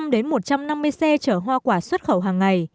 đến một trăm năm mươi xe chở hoa quả xuất khẩu hàng ngày